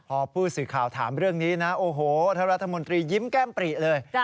พอผู้สื่อข่าวถามเรื่องนี้นะโอ้โหท่านรัฐมนตรียิ้มแก้มปริเลย